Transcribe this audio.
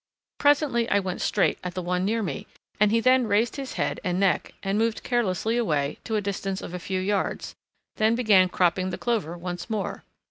Presently I went straight at the one near me, and he then raised his head and neck and moved carelessly away to a distance of a few yards, then began cropping the clover once more.